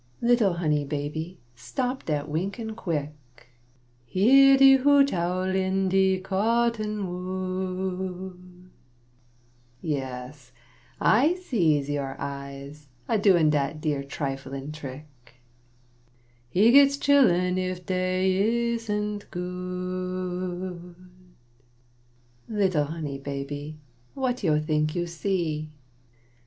Little honey baby, stop dat winkin' quick!; (Hear de hoot owl in de cotton wood!) Yess I sees yo' eyes adoin' dat dere triflin' trick (He gets chillun if dey isn't good.) Little honey baby, what yo' think yo' see?